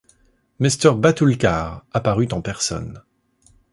Mr. Batulcar apparut en personne.